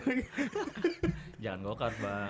jangan go kart bang